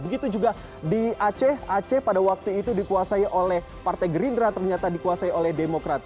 begitu juga di aceh aceh pada waktu itu dikuasai oleh partai gerindra ternyata dikuasai oleh demokrat